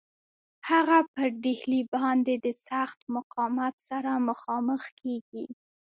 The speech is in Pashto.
هغه پر ډهلي باندي د سخت مقاومت سره مخامخ کیږي.